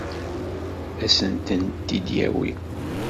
Ad sent-tent-id-yawi?